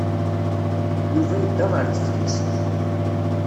Yuba yedda ɣer teftist.